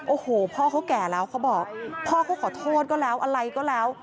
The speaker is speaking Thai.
โอ้โหพ่อเขาแก่แล้วเขาบอกพ่อเขาขอโทษก็แล้วอะไรก็แล้ว